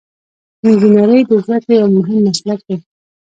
انجنیری د زده کړې یو مهم مسلک دی.